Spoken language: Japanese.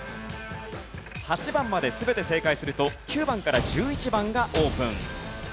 ８番まで全て正解すると９番から１１番がオープン。